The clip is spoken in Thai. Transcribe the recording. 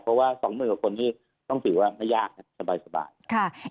เพราะว่าสองหมื่นคนต้องถือว่าไม่ยากสบาย